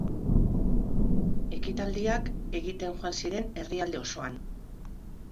Ekitaldiak egiten joan ziren herrialde osoan.